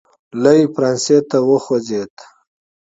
لی فرانسې ته وخوځېد.